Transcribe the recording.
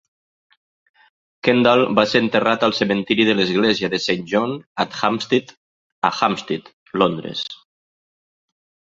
Kendall va ser enterrat al cementiri de l'església de Saint John-at-Hampstead, a Hampstead, Londres.